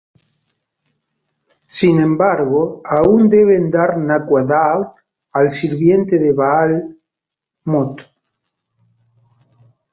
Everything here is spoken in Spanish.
Sin embargo aun deben dar Naquadah al sirviente de Baal, Mot.